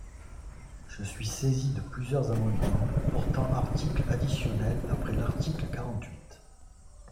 Je suis saisi de plusieurs amendements portant article additionnel après l’article quarante-huit.